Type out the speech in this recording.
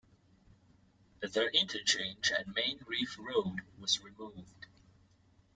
The interchange at Main Reef Road was removed.